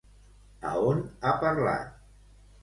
A on ha parlat?